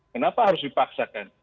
kenapa harus dipaksakan